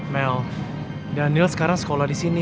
mel daniel sekarang sekolah disini